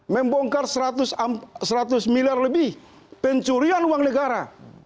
membongkar seratus miliar lebih pencurian uang negara